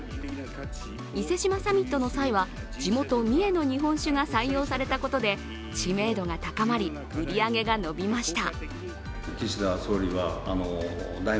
伊勢志摩サミットの際は地元・三重の日本酒が採用されたことで知名度が高まり、売り上げが伸びました。